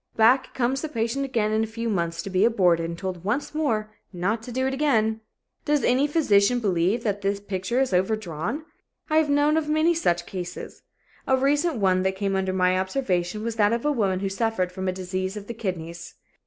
Back comes the patient again in a few months to be aborted and told once more not to do it again. Does any physician believe that the picture is overdrawn? I have known of many such cases. A recent one that came under my observation was that of a woman who suffered from a disease of the kidneys.